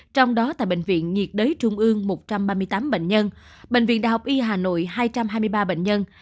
trong đó tại bệnh viện nhiệt đới trung ương một trăm ba mươi tám bệnh nhân bệnh viện đại học y hà nội hai trăm hai mươi ba bệnh nhân